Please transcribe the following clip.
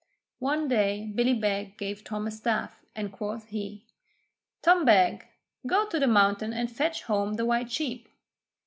One day Billy Beg gave Tom a staff, and quoth he: 'Tom Beg, go to the mountain and fetch home the white sheep.'